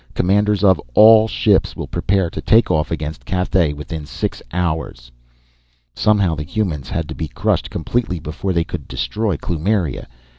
Commanders of all ships will prepare to take off against Cathay within six hours!" Somehow, the humans had to be crushed completely before they could destroy Kloomiria.